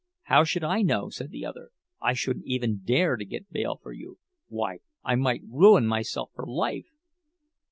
"How should I know?" said the other. "I shouldn't even dare to get bail for you—why, I might ruin myself for life!"